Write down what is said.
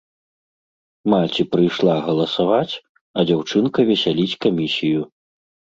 Маці прыйшла галасаваць, а дзяўчынка весяліць камісію.